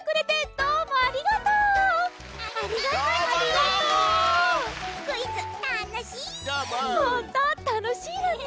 ほんとうたのしいわね。